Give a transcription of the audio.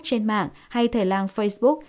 trên mạng hay thể lang facebook